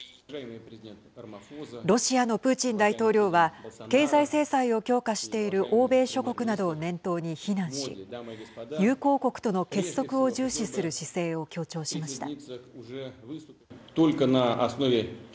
ロシアのプーチン大統領は経済制裁を強化している欧米諸国などを念頭に非難し友好国との結束を重視する姿勢を強調しました。